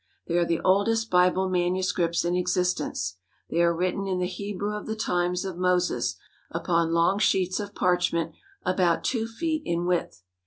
They are the oldest Bible manuscripts in existence. They are written in the Hebrew of the times of Moses, upon long sheets of parchment about two feet in width.